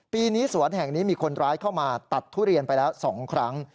ปีนี้สวนแห่งนี้มีคนร้ายเข้ามาตัดทุเรียนไปแล้ว๒ครั้ง